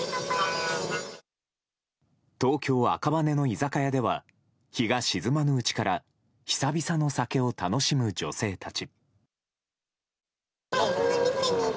東京・赤羽の居酒屋では日が沈まぬうちから久々の酒を楽しむ女性たち。